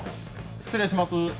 失礼します